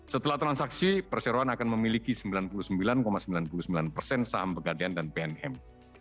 setelah transaksi perseroan akan memiliki sembilan puluh sembilan sembilan puluh sembilan persen saham pegadean dan bnm